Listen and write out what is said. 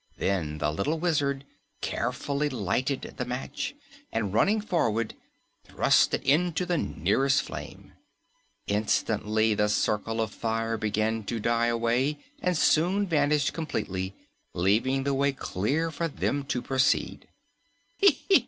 Then the little Wizard carefully lighted the match, and running forward thrust it into the nearest flame. Instantly, the circle of fire began to die away, and soon vanished completely leaving the way clear for them to proceed.